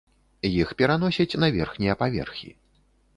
Іх пераносяць на верхнія паверхі.